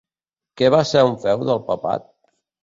Què va ser un feu del papat?